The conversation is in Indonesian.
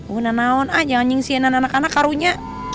wunah naon aja nyingsi anak anak karunya